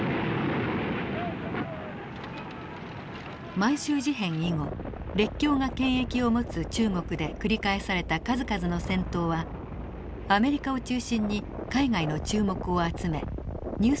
満州事変以後列強が権益を持つ中国で繰り返された数々の戦闘はアメリカを中心に海外の注目を集めニュース